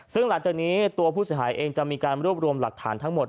ซึ่งหลังจากนี้ตัวผู้เสียหายเองจะมีการรวบรวมหลักฐานทั้งหมด